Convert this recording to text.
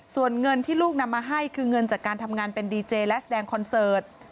ส่วนเงินที่ลูกนำมาให้คือเงินจากการทำงานเป็นดีเจและแสดงคอนเสิร์ต